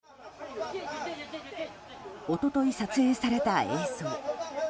一昨日、撮影された映像。